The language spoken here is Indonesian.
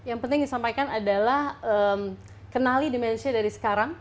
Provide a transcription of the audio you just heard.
yang penting disampaikan adalah kenali dimensinya dari sekarang